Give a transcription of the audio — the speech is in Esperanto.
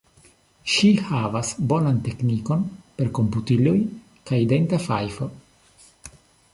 Ŝi havas bonan teknikon per komputiloj kaj denta fajfo.